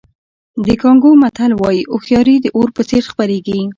د کانګو متل وایي هوښیاري د اور په څېر خپرېږي.